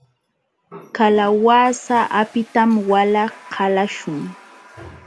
Kalawasa apitam wala qalaśhun.